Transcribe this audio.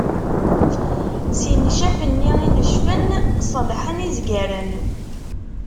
Si ncaf-nni i necfen, ṣelḥen izgaren.